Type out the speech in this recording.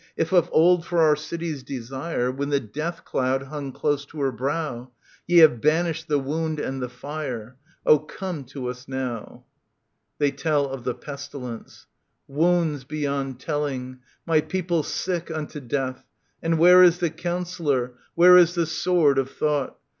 If of old for our city's desire, When the death cloud hung close to her brow, Ye have banished the wound and the fire, Oh 1 come to us now I [They tell of the Pestilence, Wounds beyond telling ; my people sick unto death ; And where is the counsellor, where is the sword of thought